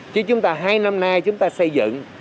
chứ chúng ta hai năm nay chúng ta xây dựng